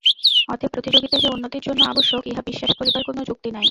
অতএব প্রতিযোগিতা যে উন্নতির জন্য আবশ্যক, ইহা বিশ্বাস করিবার কোন যুক্তি নাই।